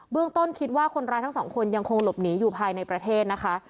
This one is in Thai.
ต้นคิดว่าคนร้ายทั้งสองคนยังคงหลบหนีอยู่ภายในประเทศนะคะ